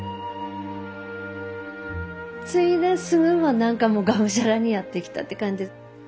継いですぐは何かもうがむしゃらにやってきたって感じ。